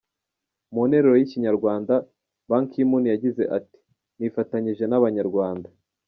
Mu nteruro y’ikinyarwanda, Ban Ki Moon yagize ati “Nifatanije n’abanyarwanda.